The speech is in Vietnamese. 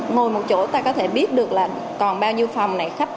ngồi một chỗ ta có thể biết được là còn bao nhiêu phòng này khách